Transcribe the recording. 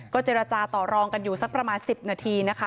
เจรจาต่อรองกันอยู่สักประมาณ๑๐นาทีนะคะ